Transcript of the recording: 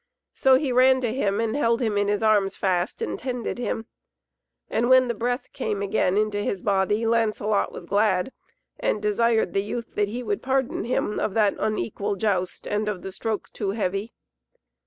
So he ran to him and held him in his arms fast and tended him. And when the breath came again into his body, Lancelot was glad, and desired the youth that he would pardon him of that unequal joust and of the stroke too heavy.